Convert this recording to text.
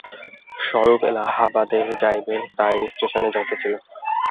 স্বরূপ এলাবাহাদে যাইবে, তাই স্টেশনে যাইতেছিল।